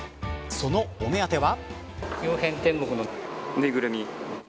そのお目当ては。